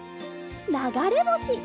ながれぼし！